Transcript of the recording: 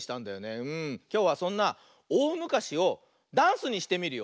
きょうはそんな「おおむかし」をダンスにしてみるよ。